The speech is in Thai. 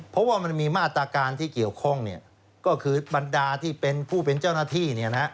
เพราะว่ามันมีมาตรการที่เกี่ยวข้องก็คือบรรดาที่เป็นผู้เป็นเจ้าหน้าที่